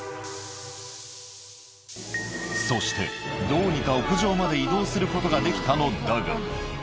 そして、どうにか屋上までいどうすることができたのだが。